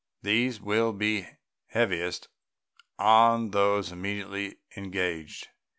These will be heaviest on those immediately engaged.